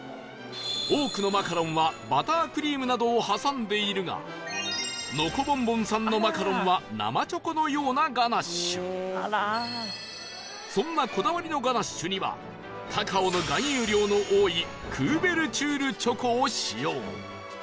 多くのマカロンはバタークリームなどを挟んでいるがノコボンボンさんのマカロンはそんなこだわりのガナッシュにはカカオの含有量の多いクーベルチュールチョコを使用